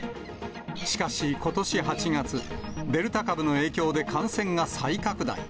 しかし、ことし８月、デルタ株の影響で感染が再拡大。